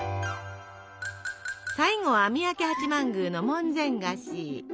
最後は三宅八幡宮の門前菓子。